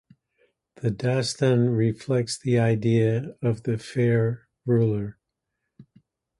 The dastan reflects the idea of the fair ruler.